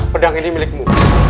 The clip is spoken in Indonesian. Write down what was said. pedang ini milikmu